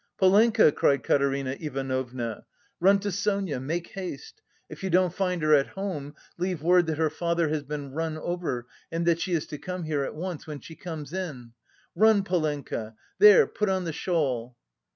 "Polenka," cried Katerina Ivanovna, "run to Sonia, make haste. If you don't find her at home, leave word that her father has been run over and that she is to come here at once... when she comes in. Run, Polenka! there, put on the shawl."